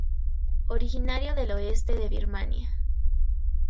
Originario del oeste de Birmania.